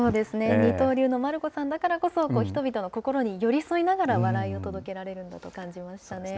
二刀流の団姫さんだからこそ、人々の心に寄り添いながら笑いを届けられるんだと感じましたね。